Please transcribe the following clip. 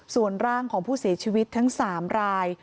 ส่วนร่างของผู้เสียชีวิตทั้ง๓ราย